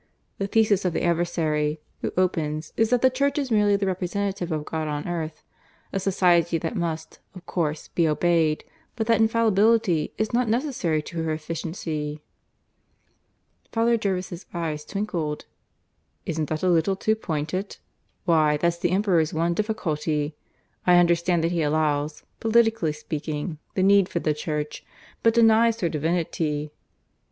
The thesis of the adversary, who opens, is that the Church is merely the representative of God on earth a Society that must, of course, be obeyed; but that Infallibility is not necessary to her efficiency." Father Jervis' eyes twinkled. "Isn't that a little too pointed? Why, that's the Emperor's one difficulty! I understand that he allows, politically speaking, the need for the Church, but denies her divinity."